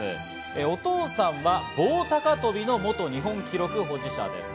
お父さんは棒高跳びの元日本記録保持者です。